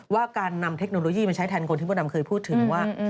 ว่าการนำเทคโนโลยีมาใช้แทนคนที่มดดำเคยพูดถึงว่า